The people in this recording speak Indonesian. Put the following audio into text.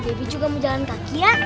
ah debbie juga mau jalan kaki ya